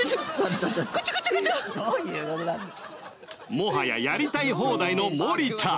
もはややりたい放題の森田！